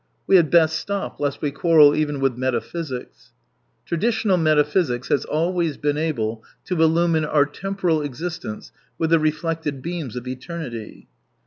We had best stop lest we quarrel even with .meta physics. Traditional metaphysics has always been able to illumine our temporal existence with the reflected beams of eternity.